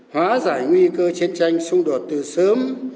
hóa giải nguy cơ chiến tranh xung đột từ sớm